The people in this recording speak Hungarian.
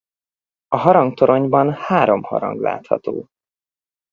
A harangtoronyban három harang látható.